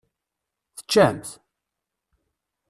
Teččamt?